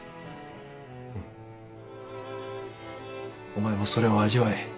お前もそれを味わえ。